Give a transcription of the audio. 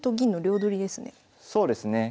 そうですね。